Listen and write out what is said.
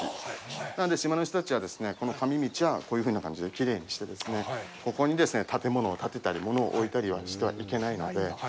なんで、島の人たちは、この神道はこういうふうな感じできれいにしてここに建物を建てたり物を置いたりはしてはいけないので。